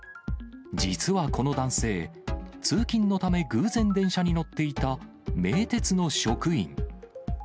実はこの男性、通勤のため、偶然電車に乗っていた名鉄の職員。